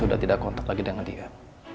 tepat tepat kyuhyun tempat itu terus olivesu